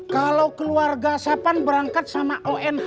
kalau keluarga sapan berangkat sama on